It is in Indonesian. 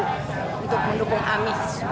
untuk mendukung amih